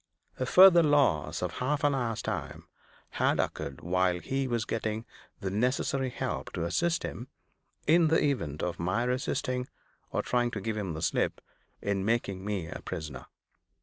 A further loss of half an hour's time had occurred while he was getting the necessary help to assist him, in the event of my resisting, or trying to give him the slip, in making me a prisoner.